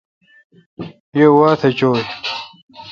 یہ او نتھ چوی۔